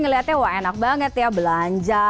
melihatnya enak banget ya belanja